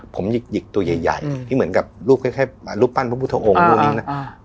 ผมหยิกหยิกตัวใหญ่ใหญ่อืมที่เหมือนกับรูปแค่แค่รูปปั้นพระพุทธองค์รูปนี้น่ะอ่า